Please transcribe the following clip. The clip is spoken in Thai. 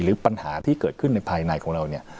หรือปัญหาที่เกิดขึ้นในภายในของเราเนี่ย